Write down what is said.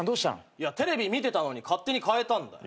テレビ見てたのに勝手にかえたんだよ。